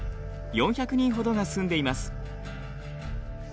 ４００人ほどが住んでいます。